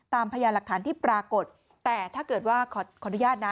พยานหลักฐานที่ปรากฏแต่ถ้าเกิดว่าขออนุญาตนะ